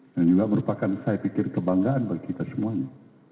yang juga merupakan saya pikir kebanggaan bagi kita semuanya